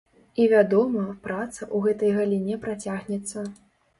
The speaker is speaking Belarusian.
І, вядома, праца ў гэтай галіне працягнецца.